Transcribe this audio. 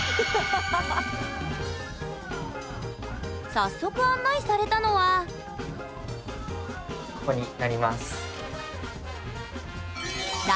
早速案内されたのはここになります。